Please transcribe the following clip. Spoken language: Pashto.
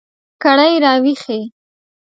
کړئ را ویښې